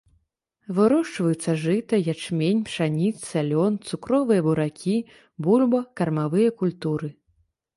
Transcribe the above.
Вырошчваюцца жыта, ячмень, пшаніца, лён, цукровыя буракі, бульба, кармавыя культуры.